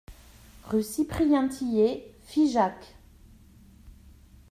Rue Cyprien Tillet, Figeac